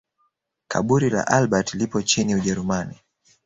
Kaburi la Albert lipo nchini Ujerumani